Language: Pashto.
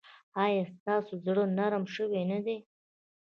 ایا ستاسو زړه نرم شوی نه دی؟